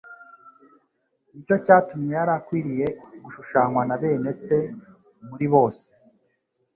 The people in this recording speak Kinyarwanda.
"Nicyo cyatumye yari akwiriye gushushanywa na bene se muri byose".